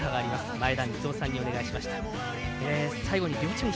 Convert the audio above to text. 前田三夫さんにお願いしました。